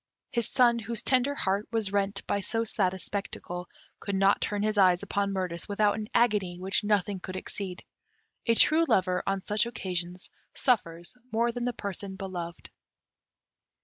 His son, whose tender heart was rent by so sad a spectacle, could not turn his eyes upon Mirtis without an agony which nothing could exceed. A true lover, on such occasions, suffers more than the person beloved.